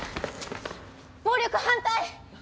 暴力反対！